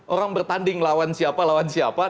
orang bertanding lawan siapa lawan siapa